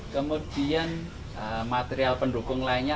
kemudian material pendukung lainnya